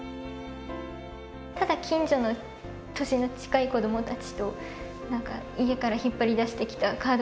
ただ近所の年の近い子どもたちと何か「家から引っ張り出してきたカードゲームあるよ。